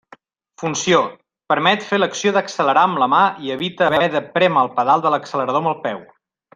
Funció: permet fer l'acció d'accelerar amb la mà i evita haver de prémer el pedal de l'accelerador amb el peu.